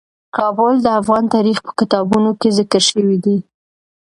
کابل د افغان تاریخ په کتابونو کې ذکر شوی دي.